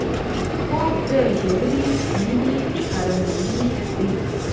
خوب د ژورې مینې ښکارندوی دی